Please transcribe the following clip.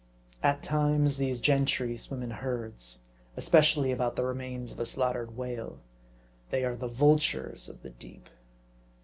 At times, these gentry swim in herds ; especially about the remains of a slaugh tered whale. They are the vultures of the deep.